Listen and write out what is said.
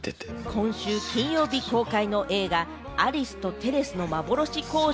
今週金曜日公開の映画『アリスとテレスのまぼろし工場』。